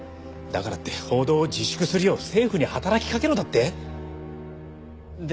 だからって報道を自粛するよう政府に働きかけろだって？